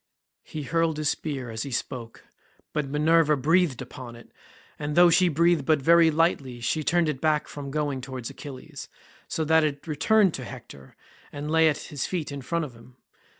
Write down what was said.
He hurled his spear as he spoke, but Minerva breathed upon it, and though she breathed but very lightly she turned it back from going towards Achilles, so that it returned to Hector and lay at his feet in front of him.